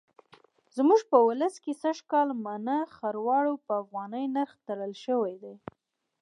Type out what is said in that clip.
زموږ په ولس کې سږکال مڼه خروار په افغانۍ نرخ تړل شوی دی.